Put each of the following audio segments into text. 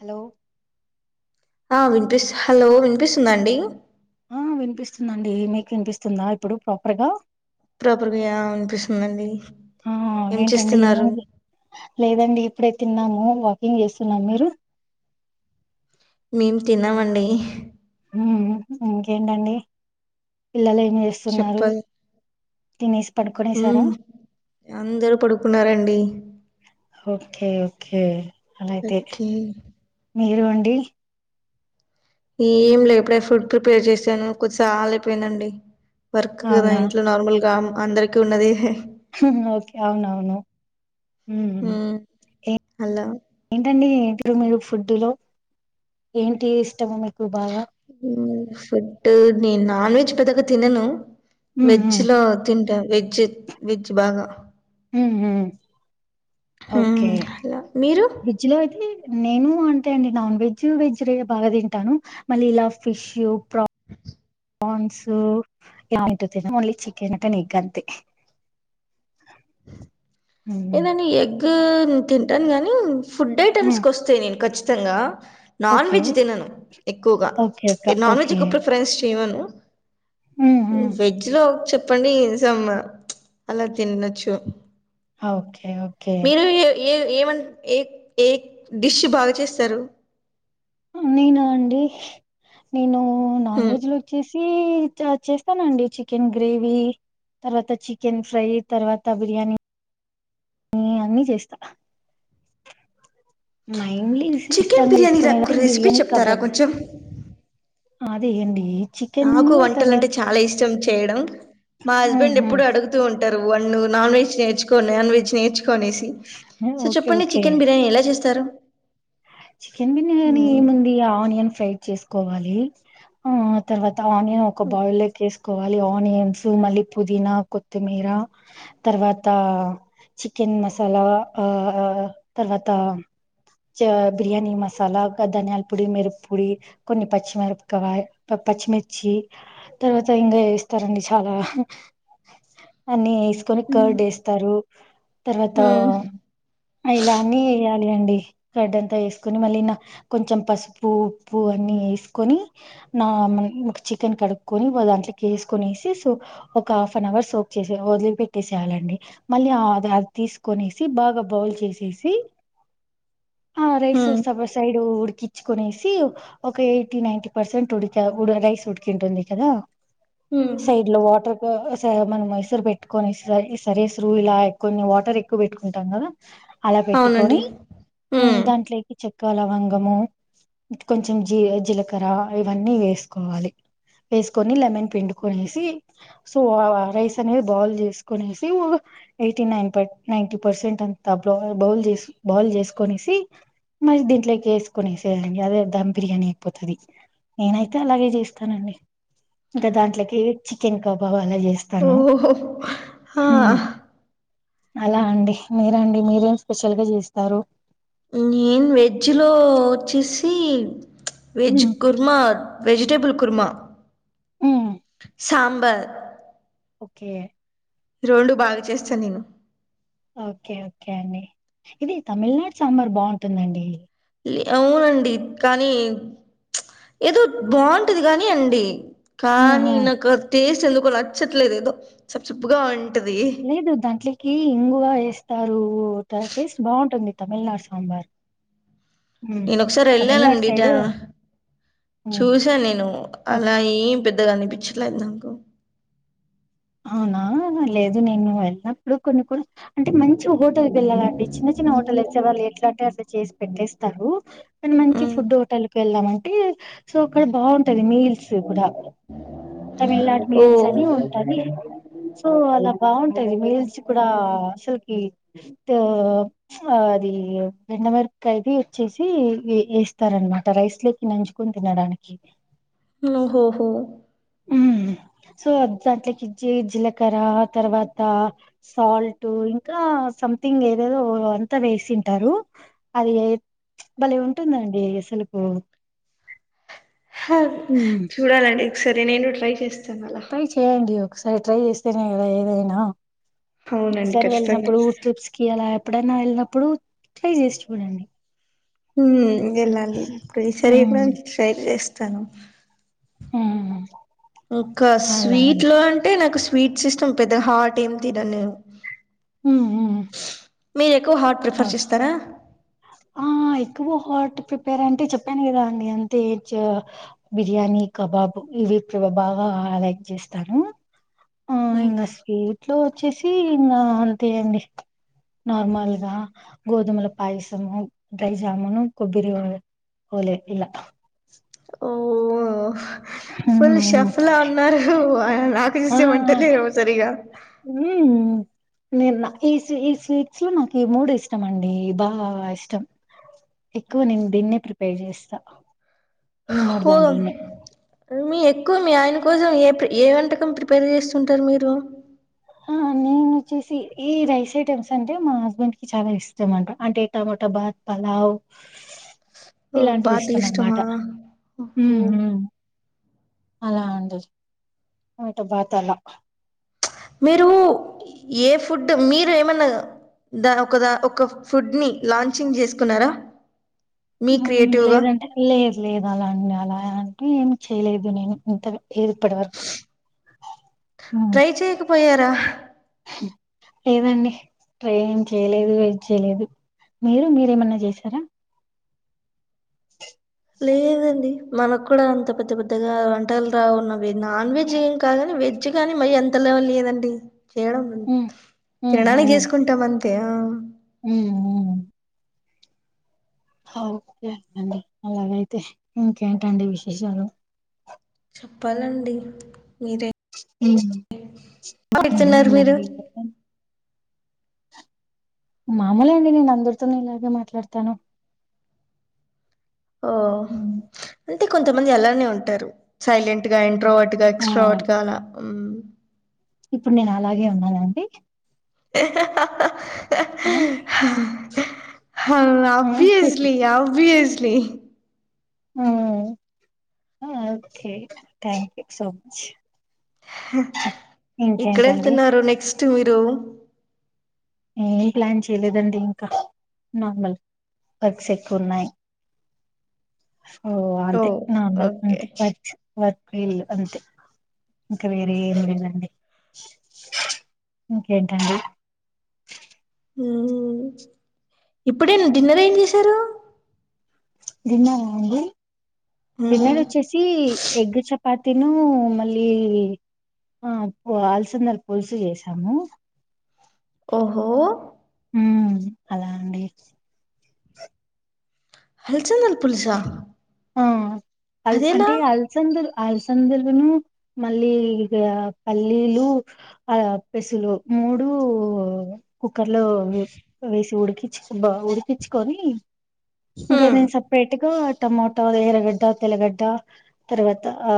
Hello ఆ వినిపిస్ hello వినిపిస్తుందా అండి ఆ వినిపిస్తుందండి మీకు వినిపిస్తుందా ఇప్పుడు ప్రాపర్ గా ప్రాపర్గా యా వినిపిస్తుందండి ఆ ఏం ఏంటండి చేస్తున్నారు ఏముంది లేదండి ఇప్పుడే తిన్నాం ఆ వాకింగ్ చేస్తున్నారా మీరు మేం తిన్నామండి ఉమ్ ఇంకేంటండి పిల్లలు ఏం జేస్తున్నారు ఉమ్ అందరూ పడుకున్నారండి ఓకే ఓకే అలా అయితే ఓకే మీరు అండీ ఏం లే ఇప్పుడే ఫుడ్ ప్రిపేర్ చేసాను కొద్దిసాల అయిపోయిందండి వర్క్ గదా అవునా ఇంట్లో నార్మల్గా అందరికి ఉన్నది ఊహ్మ్ ఓకే అవును అవును ఊమ్ హలో ఏంటండి ఇప్పుడు మీరు ఫుడ్డు లో ఏంటి ఇష్టము మీకు బాగా ఉమ్ ఫుడ్ నేను నాన్ వెజ్ పెద్దగా తినను మ్మ్, వెజ్ మ్మ్. లో తింటాను వెజ్ వెజ్ బాగా ఊమ్ ఉమ్ ఓకే మ్మ్ అలా మీరు వెజ్ లో అయితే నేను అంటే అండి నాన్ వెజ్ వెజ్ రె బాగా తింటాను మళ్ళీ ఇలా ఫిషు ప్ర ప్రాన్స్ హ్మ్. ఏదో నీ ఎగ్ తింటాను గాని ఫుడ్ ఐటమ్స్ హ్మ్. కి వస్తే నేను ఖచ్చితంగా నాన్ ఓకే వెజ్ తినను ఎక్కువగా ఓకే అక్క ప్చ్ నాన్ వెజ్ ఓకే కు ప్రిఫరెన్స్ చేయను హ్మ్. హ్మ్. వెజ్ లో చెప్ పన్నీర్ సమ్ ప్చ్ అలా తిన్నచ్చు ఓకే ఓకే మీరు ఏ ఏ ఏ ఏమన్ ఏ ఏ డిష్ బాగా చేస్తారు నేనా అండి నేను నాన్ వెజ్ లో వచ్చేసి ఊమ్ చ చేస్తానండి చికెన్ గ్రేవీ తర్వాత చికెన్ ఫ్రై తర్వాత బిర్యానీ ఆమ్ అన్ని చేస్తా మైన్లీ ఇ చికెన్ ఇష్టంగా బిర్యానీ చేసుకునేది నాకు అంటే రెసిపీ బిర్యానీ చెప్తారా కబ్వండ్ కొంచెం అ అదే ఇయండి నాకు వంటలు అంటే చాలా ఇష్టం చేయడం మా హస్బెండ్ ఆహా ఎప్పుడు అడుగుతూ ఉంటారు వన్ నాన్ వెెజ్ నేర్చుకో నాన్ వెజ్ నేర్చుకో కోనేసి సో ఓకే చెప్పండి ఓకే చికెన్ బిర్యానీ ఎలా చేస్తారు చికెన్ బిర్యానీ మ్మ్ ఏముంది ఆనియన్ ఫ్రై చేసుకోవాలి ఆ తర్వాత అనియన్ ఒక బవుల్ వేసు కోవాలి ఆనియన్స్ మళ్ళీ పుదీనా కొత్తిమీర తర్వాత చికెన్ మసాలా ఆ తర్వాత చ బిర్యానీ మసాలా ధనియాల పొడి మిరుపు పొడి కొన్ని పచ్చిమిరపకాయ పచ్చిమిర్చి తర్వాత ఇంకా ఏస్తారండి చాలా అ కొని కర్డ్ వేస్తారు తర్వాత మ్మ్ ఇలా అన్ని వేయాలి అండి కార్డెన్ వేసుకొని మళ్ళీ కొంచెం పసుపు ఉప్పు అన్నీ వేసుకొని నా చికెన్ కడుక్కొని ఒక దాంట్లో వేసుకొనేసి ఒక హాఫ్ అన్ అవర్ సోప్ చేసి వదిలిపెట్టేసేయాలండి మళ్ళీ అది అది తీసుకొనేసి బాగా బౌల్ చేసేసి ఆ రైస్ మ్మ్ సబా సైడు ఉడ్కి చ్ కోనేసి ఒక ఎయిటీ నైన్టీ పర్సెంట్ ఉడిక ఉడ రైస్ ఉడికింటుంది కదా మ్మ్ సైడ్ లో వాటర్ ఓ సర్ మనం మైస్ ర్ పెట్టుకొనే స్ ఇస్ సరే ఇస్రు ఇలా కొన్ని వాటర్ ఎక్కు బెట్ కుంటాం కదా అలా అవునండి పెట్టుకొని ఉమ్ మ్మ్ దాంట్లే క్ చెక్క వంగము కొంచెం జీ జీలకర్ర ఇవన్నీ ఏస్ కోవాలి ఏస్ కొని లెమన్ పిండు కోనేసి సో వా వా రైస్ అనేద్ బాల్ జేస్ కోనేసి ఉగ ఎయిటీన్ నైన్ పై నైన్టీ పర్స్ సేంట్ అంతా బ్రౌన్ బౌల్ జేషి బౌల్ జేష్ కోనేసి మల్ దీంట్లో కేసుకొనిసేయళ్ళండి అదే దమ్ బిర్యానీ అయిపోతది నేనైతే అలాగే చేస్తానండి ఇంకా దాంట్లకి చికెన్ కాబావా అలా జేస్తాను ఓహో ఆ హుమ్ అలా అండి మీరండి మీరేం స్పెషల్ గా చేస్తారు నేన్ వెజ్ లో వోచ్చేసి వెజ్ హ్మ్ కుర్మ వెజిటెబుల్ కుర్మా సాంబార్ ఓకే రొండు బాగా చేస్త నేను ఓకే ఓకే అండి ఇది తమిళ్ నాడ్ సాంబార్ బాఉంటుందండి లే ఔనండి కానీ చ్ ఏదో బాఉంటది గాని అండి కానీ హుహు. నాకు టేస్ట్ ఎందుకో నచ్చట్లేదు ఏదో సప్ సప్ గా ఉం లేదు దాంట్లకి ఇంగువ ఏస్తారు ట టేస్ట్ బాఉంటుండి తమిళ్ నాడ్ సాంబార్ హ్మ్. నేను ఒక్ సార్ తమిళనాడు ఎళ్ళాలండి ఇట సైడు హ్మ్. చూసాను నేను ఓకే. అలా ఏమ్ పెద్ దగా అన్ పిచ్ ట్లే దాంకు ఔనా లేదు నేను ఎళ్ నప్పుడు కొన్ని కొస్ అంటే మంచి హోడ్ త్ టూర్ పిళ్లాలండి చిన్న చిన్న హోటల్ తెర్ సే వాళ్ళు ఎట్లాంటే అట్ల చేసి పెట్టేస్తారు కన్ మంచి మ్ ఫుడ్ హోటల్ కి ఎళ్ళాలంటే సో అక్కడ బాఉంటది మీల్స్ కుద తమిళ్ నాడ్ ఓ మీల్స్ అని వున్ ట్ సో అలా బాఉంటాది మీల్స్ కూడా ఆ అసల్ త్ ఆ అది ఈయి వ్ ఎండ మీరప్ కాయి ది ఇచ్చేసి వే ఎస్తారన్ మాట రైస్ లోకి నంచుకొన్ తినడానికి నో ఓహో ఉహ్ సో దాంట్లకి జి జీలకర్ర తర్వాత సాల్ ట్ టు ఇంకా సమ్ థింగ్ ఏదేదో ఓ అంతా వేసింటారు అది ఎర్ చ్ బలే ఉంటుందండి ఎసలకు హాఁ చూడాలండి ఒక్ సారి నేను ట్రై చేస్ ట్రై చేయండి ఒక్ సారి ట్రై చేస్తేనే కదా ఏదైనా అవునండి ఈసార్ వెళ్ ఖచ్చితంగా నప్పుడు ట్రూప్స్ కి అలా ఎప్పుడన్నా ఎళ్ నప్పుడు ట్రై చేశ్ చూడండి ఉమ్ ఎళ్ళాలి ప్రి శరీర్ ఉమ్ నాన్ కి స్టైల్ చేస్తాను హ్మ్ ఇంకా స్వీట్ లో అంటే నాకు స్వీట్స్ ఇస్టం పెద్దగా హార్ట్ ఏమ్ తినన్ నేవు ఉహుహు మీర్ ఎక్కు హాట్ ప్రిఫర్స్ ఇస్తారా ఆ ఆ ఎక్కువ్ హాట్ ప్రిపేర్ అంటే చెప్పాను కదా అండి అంతే ఆ బిర్యానీ కబాబు ఇది కో బావా ఆ లైక్ చేస్తాను ఆ ఇంగ స్వీట్ ట్లో వోచ్చేసి ఇన్ నా అంతేయండి నార్ మల్ గా గోధుమల పాయిసము డ్రై జాముూను కొబ్బరి వర్ ఓలే ఇలా ఓ ఉమ్ ఫుల్ ఉమ్ షెఫ్ లా ఉన్నారు ఆయమ్ నాకు జుస్తే ఆ వంటలే రావ్ సరిగా హ్మ్ నేను నా- ఈ సీ ఈ స్వీట్స్ నాకి మూడు ఇష్టం మండి బా ఇష్టం. ఎక్కువ నేను దీన్నే ప్రిపేర్ చేస్తా ఈ మూడు ఓ దాంట్లనే. మీ ఎక్కువ మీ ఆయన కోసం ఏ ఏ వంటకం ప్రిపేర్ చేస్తుంటారు మీరు. అ నేను. వొచ్చేసీ ఈ రైస్ ఐటెమ్స్ అంటే, మా హస్బెండ్ కి చాలా ఇష్టం అంట, అంటే టమోటా బాత్ పలావ్. ఓ ఇలాంటిది బాతులు ఇష్టం అన్నమాట, ఇష్టమా ఊ ఓహో ఉమ్. అలా అంటాది వంట బాత అలా. మీరు, ఏ ఫుడ్ మీరు ఏమన్నా. దా ఒక దా ఒక ఫుడ్ ని, లాంచింగ్ చేసుకున్నారా, మీ ఊ క్రియేటివ్గా లేదంటే లేదు లేదు అలా అండి అలా. ఏమి చేయలేదు నేను, వింతవి ఏది ఇదిప్పటి వరకు. మ్మ్. ట్రై చేయకపోయారా. లేదండి, ట్రై ఎం చేయలేదు, వెయిట్ చేయలేదు. మీరు, మీరేమన్నా చేసారా. లేదండి. మనకు కూడా అంత పెద్ద పెద్దగా వంటలు రావున్నవి నాన్ వెజ్ ఏం కాగాని వెజ్ కాగానీ మ ఎంత ల. లేదండి చేయడం, హ్మ్ తినడానికి చేసుకుంటాం అంతే అమ్. ఉ ఉమ్. ఓకేండి, అలాగైతే, ఇంకేంటండి విశేషాలు. చెప్పాలండి, మీరే. పెడుతున్నారు మీరు [inaudible] మామూలు అండి, నేను అందరితోనీ, ఇలాగే మాట్లాడతాను. ఓ ఉమ్, అంటే కొంతమంది, ఎలానే ఉంటారు, సైలెంట్ గా. ప్రోట్ గా ఆ ఎక్స్ట్ గ అలా. ఇప్పుడు నేను అలాగే ఉన్నానుండి. [inaudible] హ హ్యాపీసిలి హ్యాపీసీలి. ప్లి. ఊ okay thank you so much. ఇక్కడ ఇంకేంటండి వెళ్తున్నారు నెక్స్ట్ మీరు. ఏం ప్లాన్ చేయలేదండి ఇంకా, నార్మల్ వర్క్స్ ఎక్కువ ఉన్నాయి. ఓ ఓ అంతే, నామల్ అంతే, ఓకే వర్క్స్ వర్క్ ఇల్లు అంతే. ఇంకా వేరే ఏమి లేదండి, ఇంకేంటండి. మ్మ్ ఇప్పుడే న డిన్నర్ ఏం చేశారు. డిన్నరా అండి డిన్నర్ మ్మ్ వచ్చేసీ. సి ఎగ్ చపాతి నూ, మళ్లి. ఆ బా అల్సందల పులుసు చేసాము. ఓహో. ఉమ్ అలా అండి హల్చంల్. ఆ అల్ అంటే, అల్సందలు అల్స. ఆలసందలను మళ్లీ ఇది అ పల్లీలు, ఆ పెసలు మూడు. ఉ కుక్కర్ లో, వేసి ఉడికించి బా ఉడికించుకొని. ఇంకా మ్మ్ నేను సప్. అతిగా టమాటో ఎరగడ్డ తెల్లగడ్డ, తర్వాత ఆ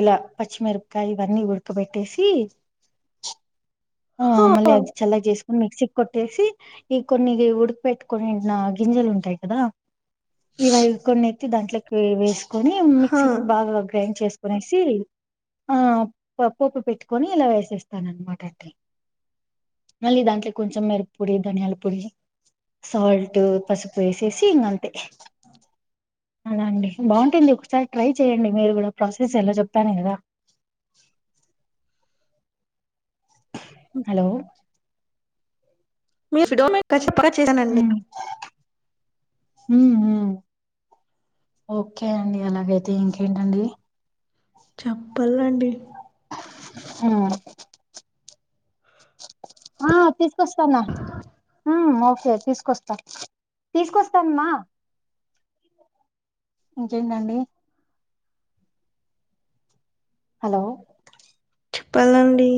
ఇలా పచ్చిమిరప. కాయ ఇవన్నీ ఉడకబెట్టేసి ఆ. హో మళ్లీ అది చల్లగా చేసుకొని మిక్సీ కొట్టేసి, ఇ కొన్ని ఉడికి పెట్టుకొని కొన్ని న గింజలు ఉంటాయి క. కదా ఇవై కొన్నేతి దాంట్లాకి వె వేసు. కొని హా మిక్సీ బాగా గ్రైండ్ చేసుకునేసి. ఆ పప్పొప్పు పెట్టుకొని ఇలా వేసేస్తాను అన్నమాట అంతే మళ్లీ దాంట్లో కొంచెం మిరప పొడి ధనియాల పొడి సాల్ట్ పసుపు వేసేసి ఇంగ అంతే అలా అండి బాగుంటుంది ఒకసారి ట్రై చేయండి మీరు కూడా ప్రాసెస్ ఎలా చెప్తాను అలాగా హలో మీ ఫిడో నేను ఖచ్చితంగా చేస్తానండి మ్ మ్ ఓకే అండి అలాగైతే ఇంకేంటండి ప్పాలండి ఆ ఆ తీసుకొస్తాన్న ఆ ఓకే తీసుకొస్తా తీసుకొస్తామ్మా ఇంకేంటండి హలో అండి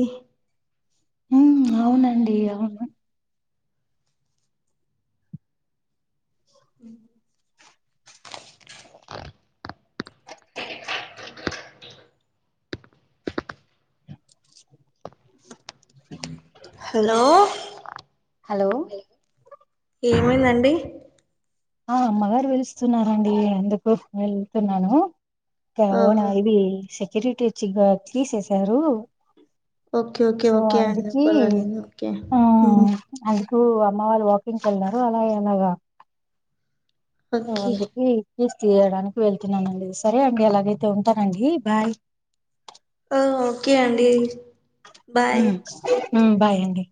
మ్ అవునండి అవును మ్ హలో హలో ఏమైందండి మా మదర్ పిలుస్తున్నారండి ఎందుకో వెళ్తున్నాను అవునా ఓహో ఇది సెక్యూరిటీ వచ్చి గా కీసేసారు ఓకే ఓకే సో ఓకే అండి అందుకి పర్వాలేదు ఓకే ఆ మ్మ్ అందు కు అమ్మ వాళ్లు వాకింగ్కి వెళ్లారు అలాగే అలాగా అ ఓకే అందుకి కీస్ తీయడానికి వెళ్తున్నానండి సరే అండి అలాగైతే ఉంటానండి బాయ్ ఆ ఓకే అండి బాయ్ మ్ మ్ బాయ్ అండి